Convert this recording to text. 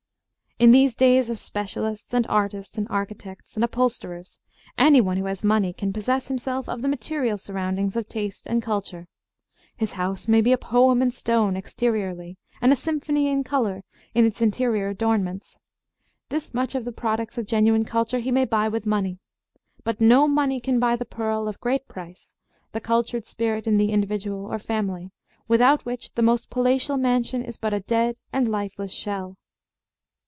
In these days of specialists and artists and architects and upholsterers, anyone who has money can possess himself of the material surroundings of taste and culture. His house may be "a poem in stone" exteriorly, and a "symphony in color" in its interior adornments. This much of the products of genuine culture he may buy with money. But no money can buy the pearl of great price, the cultured spirit in the individual or family, without which the most palatial mansion is but a dead and lifeless shell.